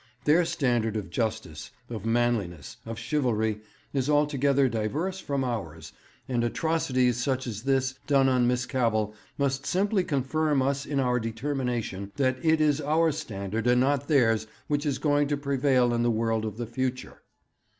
Their standard of justice, of manliness, of chivalry, is altogether diverse from ours, and atrocities such as this done on Miss Cavell must simply confirm us in our determination that it is our standard and not theirs which is going to prevail in the world of the future.